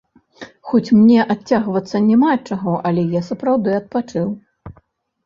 Хоць мне адцягвацца няма ад чаго, але я сапраўды адпачыў.